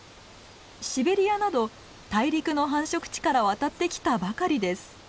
シベリアなど大陸の繁殖地から渡ってきたばかりです。